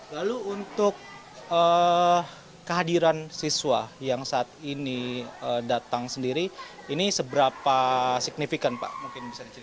lalu untuk kehadiran siswa yang saat ini datang sendiri ini seberapa signifikan pak